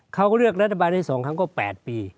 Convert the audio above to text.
เขาเลือกรัฐบาลได้๘ปี